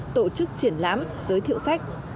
tổ chức triển lãm giới thiệu sách